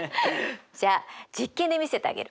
じゃあ実験で見せてあげる。